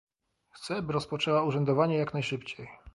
Chcę, by rozpoczęła urzędowanie jak najszybciej